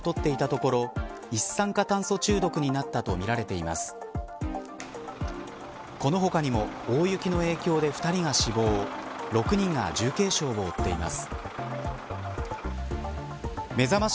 この他にも大雪の影響で２人が死亡６人が重軽傷を負っています。